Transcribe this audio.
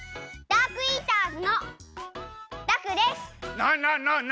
ダークイーターズのダクです！